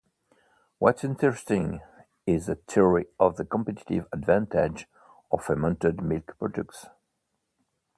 What's interesting is the theory of the competitive advantage of fermented milk products.